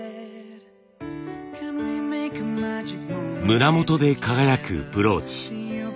胸元で輝くブローチ。